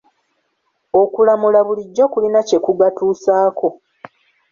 Okulamula bulijjo kulina kye kugatuusako.